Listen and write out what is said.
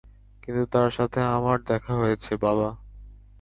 কিন্তু তার সাথে আমার দেখা হয়েছে, বাবা।